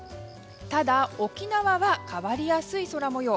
ただ、沖縄は変わりやすい空模様。